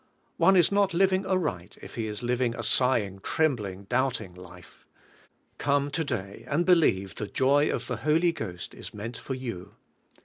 One is not living aright if he is living a sighing, trembling, doubting life. Come to day and believe the joy of the Holy Ghost is meant for you.